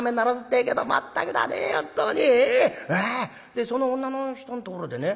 でその女の人んところでね